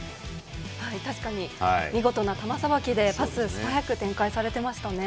確かに見事な球さばきでパスが素早く展開されてましたね。